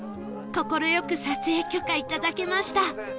快く撮影許可いただけました